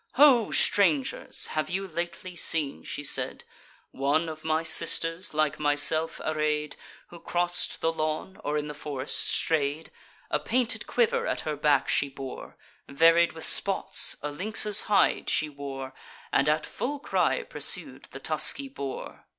"Ho, strangers! have you lately seen," she said, "One of my sisters, like myself array'd, Who cross'd the lawn, or in the forest stray'd? A painted quiver at her back she bore; Varied with spots, a lynx's hide she wore; And at full cry pursued the tusky boar."